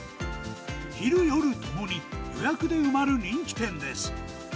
昼夜ともに、予約で埋まる人気店です。